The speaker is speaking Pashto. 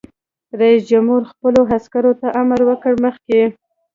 رئیس جمهور خپلو عسکرو ته امر وکړ؛ مخکې!